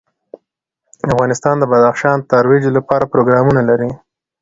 افغانستان د بدخشان د ترویج لپاره پروګرامونه لري.